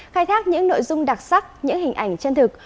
khai thác những nội dung đặc sắc những hình ảnh chân thực